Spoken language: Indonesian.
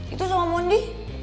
itu sama mondi